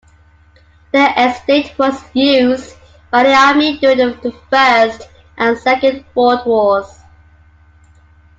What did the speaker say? The estate was used by the army during the First and Second World Wars.